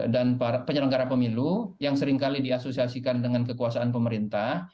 dan penyelenggara pemilu yang seringkali diasosiasikan dengan kekuasaan pemerintah